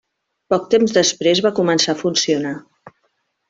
Poc temps després va començar a funcionar.